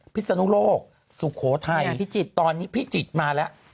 พิศนุโรคสุโขทัยตอนนี้พิจิตรมาแล้ว